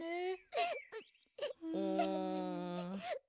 うん。